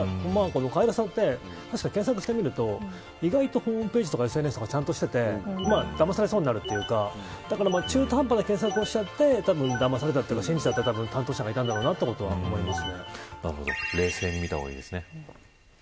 カイラサって検索してみると意外とホームページとかＳＮＳがちゃんとしててだまされそうになるというか中途半端な検索をしちゃってだまされたというか信じちゃった担当者がいるんだろうと思います。